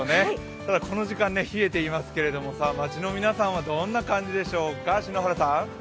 ただこの時間、冷えていますけど街の皆さんはどんな感じでしょうか。